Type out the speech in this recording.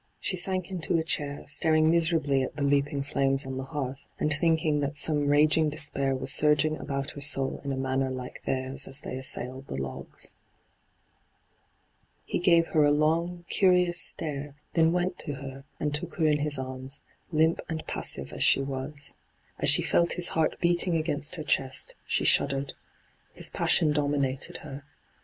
She sank into a chair, staring miserably at the leaping flames on the hearth, and thinking that some raging despair was surging about her soul in a manner like theirs as they assailed the logs. He gave her a long, curious stare, then went to her and took her in his arms, limp and passive as she wa^ As she felt his' heart beating against her chest, she shuddered. His passion dominated her.